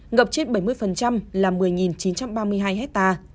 ngập chết bảy mươi là một mươi chín trăm ba mươi hai hecta